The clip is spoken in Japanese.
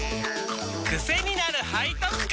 クセになる背徳感！